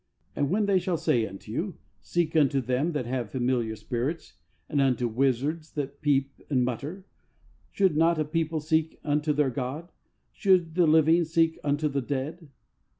" And when they shall say unto you. Seek unto them that have familiar spirits, and unto wizards that peep and mutter ; should not a people seek unto their God ? Should the living seek unto the dead